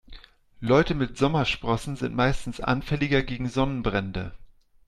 Leute mit Sommersprossen sind meistens anfälliger gegen Sonnenbrände.